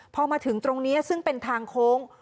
พอมาถึงตรงนี้ซึ่งเป็นทางโค้ง